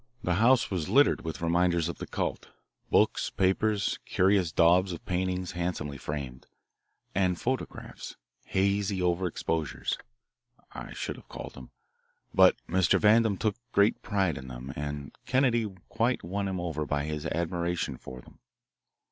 The house was littered with reminders of the cult, books, papers, curious daubs of paintings handsomely framed, and photographs; hazy overexposures, I should have called them, but Mr. Vandam took great pride in them, and Kennedy quite won him over by his admiration for them.